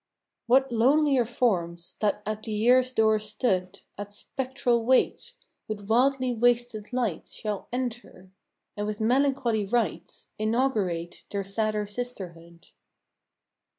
What lonelier forms that at the year's door stood At spectral wait with wildly wasted lights Shall enter? and with melancholy rites Inaugurate their sadder sisterhood?